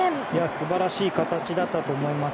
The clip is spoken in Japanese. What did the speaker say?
素晴らしい形だったと思います。